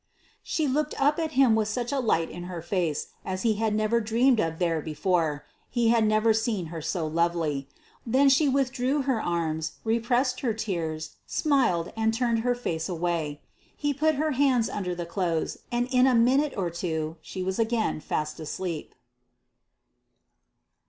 She looked up at him with such a light in her face as he had never dreamed of there before. He had never seen her so lovely. Then she withdrew her arms, repressed her tears, smiled, and turned her face away. He put her hands under the clothes, and in a minute or two she was again fast asleep.